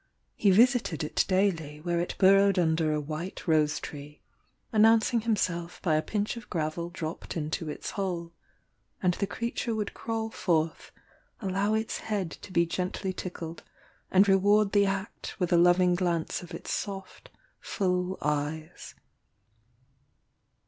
"He visited it daily where it burrowed under a white rosetree, announcing himself by a pinch of gravel dropped into its hole; and the creature would crawl forth, allow its head to be gently tickled, and reward the act with a loving glance of its soft full eyes."